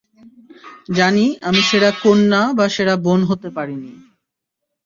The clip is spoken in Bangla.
জানি আমি সেরা কন্যা বা সেরা বোন হতে পারিনি।